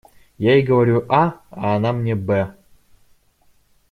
Я ей говорю «а», она мне «бэ»!